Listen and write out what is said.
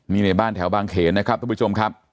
นี่ในบ้านแถวบางเขนนะครับทุกผู้ชมครับ